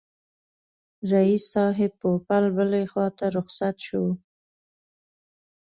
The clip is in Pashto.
رییس صاحب پوپل بلي خواته رخصت شو.